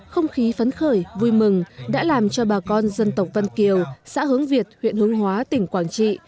không khí phấn khởi vui mừng đã làm cho bà con dân tộc văn kiều xã hướng việt huyện hướng hóa tỉnh quảng trị